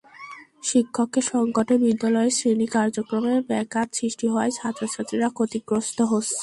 শিক্ষকের সংকটে বিদ্যালয়ের শ্রেণি কার্যক্রমে ব্যাঘাত সৃষ্টি হওয়ায় ছাত্রছাত্রীরা ক্ষতিগ্রস্ত হচ্ছে।